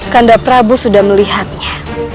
kanda prabu sudah melihatnya